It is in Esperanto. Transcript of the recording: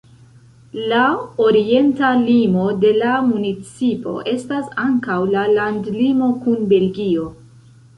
La orienta limo de la municipo estas ankaŭ la landlimo kun Belgio.